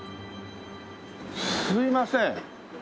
すみません。